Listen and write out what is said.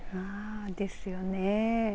ですよね。